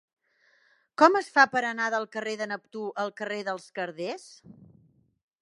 Com es fa per anar del carrer de Neptú al carrer dels Carders?